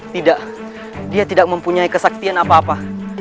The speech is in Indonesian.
tidak dia tidak mempunyai kesaktian apa apa